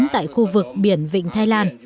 tại khu vực biển vịnh thái lan